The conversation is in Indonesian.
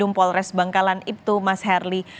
di dumpolres bangkalan ibtu mas herli